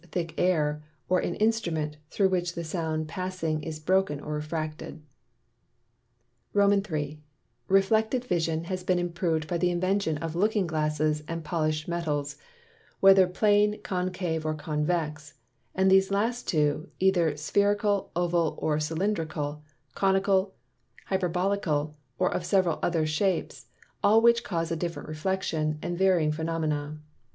thick Air, or an Instrument, through which the Sound passing is broken or refracted. III. Reflected Vision has been improv'd by the Invention of Looking glasses and Polished Metals, whether Plane, Concave, or Convex; and these two last, either Spherical, Oval, Cylindrical, Conical, Hyperbolical, or of several other shapes; all which cause a different Reflection, and vary the Phænomena.